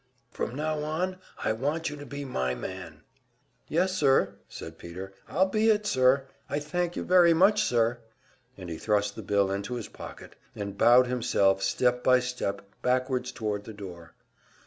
From now on I want you to be my man." "Yes, sir," said Peter, "I'll be it, sir. I thank you very much, sir." And he thrust the bill into his pocket, and bowed himself step by step backwards toward the door.